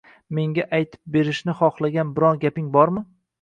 “Menga aytib berishni xohlagan, biron gaping bormi?”.